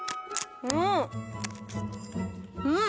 うん！